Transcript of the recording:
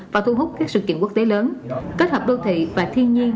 và thu hút các sự kiện quốc tế lớn kết hợp đô thị và thiên nhiên